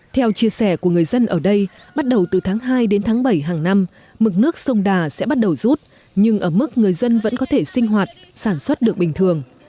theo chia sẻ của người dân ở đây bắt đầu từ tháng hai đến tháng bảy hàng năm mực nước sông đà sẽ bắt đầu rút nhưng ở mức người dân vẫn có thể sinh hoạt sản xuất được bình thường